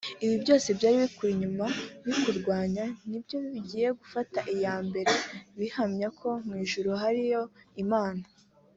Ibyo byose byari bikuri inyuma bikurwanya ni byo bigiye gufata iya mbere bihamya ko mu ijuru hariyo Imana